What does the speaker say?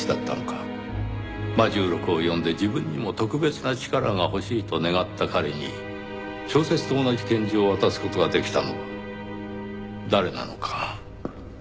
『魔銃録』を読んで自分にも特別な力が欲しいと願った彼に小説と同じ拳銃を渡す事ができたのは誰なのか。